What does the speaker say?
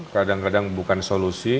kadang kadang bukan solusi